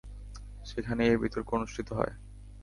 সেখানেই এ বিতর্ক অনুষ্ঠিত হয়।